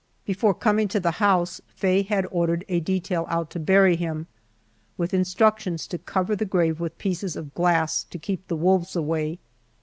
Before coming to the house Faye had ordered a detail out to bury him, with instructions to cover the grave with pieces of glass to keep the wolves away.